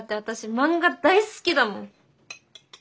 漫画大好きだもん。